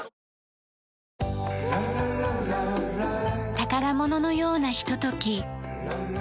宝物のようなひととき。